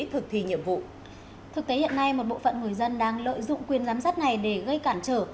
thực tế hiện nay một bộ phận người dân đang lợi dụng quyền giám sát này để gây cản trở